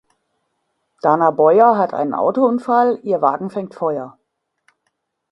Dana Boyer hat einen Autounfall, ihr Wagen fängt Feuer.